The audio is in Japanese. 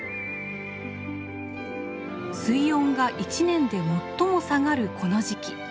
水温が一年で最も下がるこの時期。